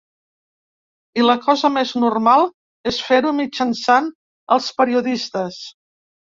I la cosa més normal és fer-ho mitjançant els periodistes.